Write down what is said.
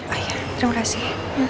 oh iya terima kasih